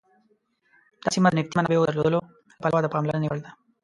دا سیمه د نفتي منابعو درلودلو له پلوه د پاملرنې وړ ده.